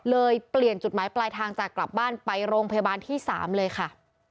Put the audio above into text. เปลี่ยนจุดหมายปลายทางจากกลับบ้านไปโรงพยาบาลที่๓เลยค่ะ